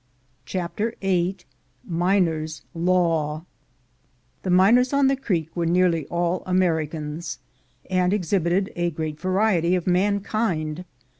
CHAPTER VIII miners' law THE miners on the creek were nearly all Ameri cans, and exhibited a great variety of mankind.